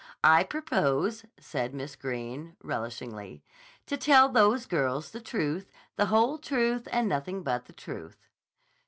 I propose," said Miss Greene relishingly, "to tell those girls the truth, the whole truth, and nothing but the truth."